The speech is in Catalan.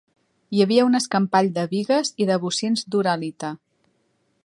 Hi havia un escampall de bigues i de bocins d'uralita